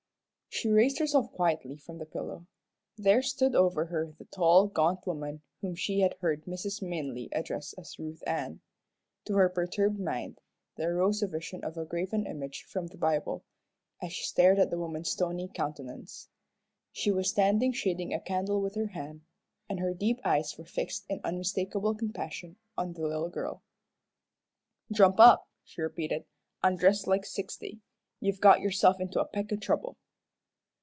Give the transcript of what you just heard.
She raised herself quietly from the pillow. There stood over her the tall, gaunt woman whom she had heard Mrs. Minley address as Ruth Ann. To her perturbed mind, there rose a vision of a graven image from the Bible, as she stared at the woman's stony countenance. She was standing shading a candle with her hand, and her deep eyes were fixed in unmistakable compassion on the little girl. "Jump up," she repeated, "an' dress like sixty. You've got yourself into a peck o' trouble."